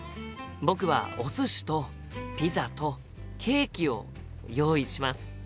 僕はお寿司とピザとケーキを用意します！